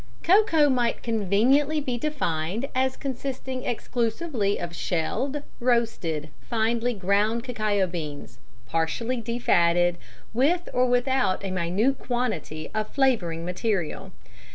Cocoa might conveniently be defined as consisting exclusively of shelled, roasted, finely ground cacao beans, partially de fatted, with or without a minute quantity of flavouring material.